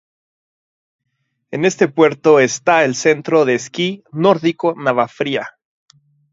En este puerto está el Centro de esquí nórdico Navafría.